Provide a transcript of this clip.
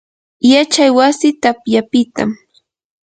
yachay wasi tapyapitam.